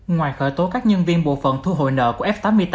ngoài khởi tố các nhân viên bộ phận thu hồi nợ của f tám mươi tám